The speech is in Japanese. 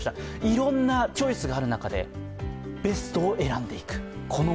いろんなチョイスがある中でベストを選んでいく。